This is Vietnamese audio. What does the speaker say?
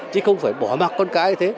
chứ không phải bỏ mặt con cái như thế